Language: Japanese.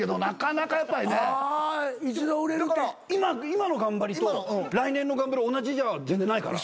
今の頑張りと来年の頑張り同じじゃ全然ないから。